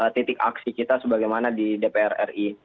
titik aksi kita sebagaimana di dpr ri